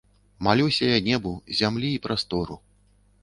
Малюся я небу, зямлі і прастору.